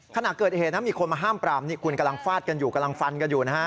ขณะเกิดเหตุนะมีคนมาห้ามปรามนี่คุณกำลังฟาดกันอยู่กำลังฟันกันอยู่นะฮะ